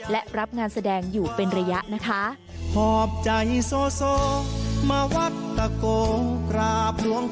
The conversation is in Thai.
และรับงานแสดงอยู่เป็นระยะนะคะ